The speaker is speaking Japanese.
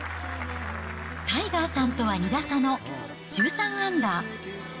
タイガーさんとは２打差の１３アンダー。